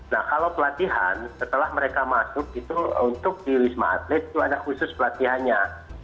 nah kalau pelatihan setelah mereka masuk itu untuk di wisma atlet itu ada khusus pelatihannya